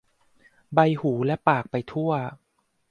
ใบหูและปากไปทั่ว